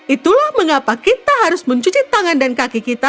itulah mengapa kita harus mencuci tangan dan kaki kita